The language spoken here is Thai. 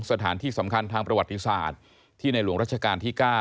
สถานที่สำคัญทางประวัติศาสตร์ที่ในหลวงรัชกาลที่๙